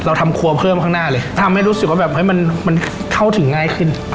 ทำครัวเพิ่มข้างหน้าเลยทำให้รู้สึกว่าแบบเฮ้ยมันเข้าถึงง่ายขึ้น